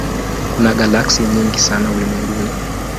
Kuna galaksi nyingi sana ulimwenguni.